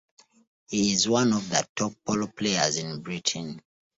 He is one of the top polo players in Britain.